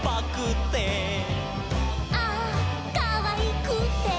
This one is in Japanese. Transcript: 「ああかわいくって」